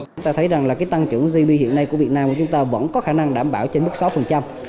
chúng ta thấy rằng là cái tăng trưởng gdp hiện nay của việt nam của chúng ta vẫn có khả năng đảm bảo trên mức sáu